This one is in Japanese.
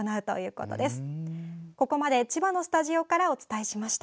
ここまで、千葉のスタジオからお伝えしました。